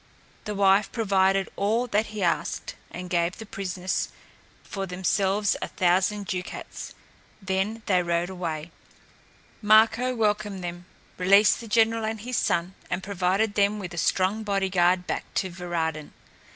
The wife provided all that he asked, and gave the prisoners for themselves a thousand ducats. Then they rode away. Marko welcomed them, released the general and his son and provided them with a strong body guard back to Varadin.